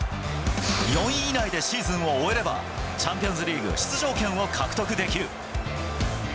４位以内でシーズンを終えれば、チャンピオンズリーグ出場権を獲得できる。